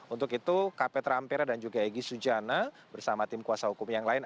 untuk itu kapetra ampera dan juga egy sujana bersama tim kuasa hukum yang lain